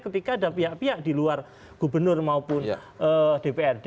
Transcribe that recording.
ketika ada pihak pihak di luar gubernur maupun dprd